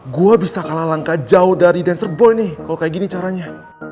gue bisa kalah langkah jauh dari dancer boy nih kalau kayak gini caranya